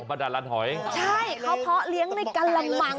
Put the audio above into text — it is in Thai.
บรรดาลันหอยใช่เขาเพาะเลี้ยงในกะละมัง